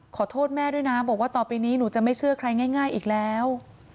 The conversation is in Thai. ขอโทษแม่ด้วยนะบอกว่าต่อไปนี้หนูจะไม่เชื่อใครง่ายอีกแล้ว